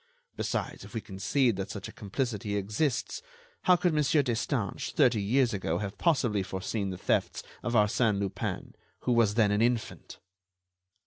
Besides, if we concede that such a complicity exists, how could Mon. Destange, thirty years ago, have possibly foreseen the thefts of Arsène Lupin, who was then an infant?"